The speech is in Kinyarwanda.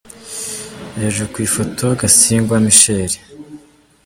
Hejuru ku ifoto : Gasingwa Michel.